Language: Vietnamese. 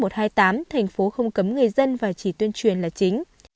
thành phố không cấm người dân và chỉ tuyên truyền là chính